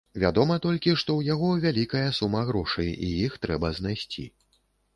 Вядома толькі, што ў яго вялікая сума грошай і іх трэба знайсці.